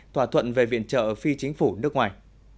thỏa thuận về viện trợ phi chính phủ nước ngoài